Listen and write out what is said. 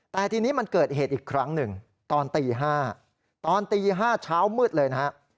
แต่ทีนี้มันเกิดเหตุอีกครั้งหนึ่งตอนตี๕ตอนตี๕เช้ามืดเลยนะฮะ